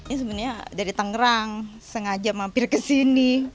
ini sebenarnya dari tangerang sengaja mampir kesini